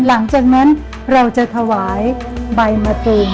หลังจากนั้นเราจะถวายใบมะตูม